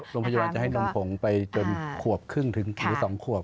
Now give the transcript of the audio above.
โรงพยาบาลจะให้นมผงไปจนขวบครึ่งถึงหรือ๒ขวบ